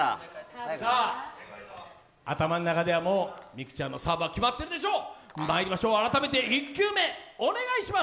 頭の中では美空ちゃんのサーブは決まっているでしょう。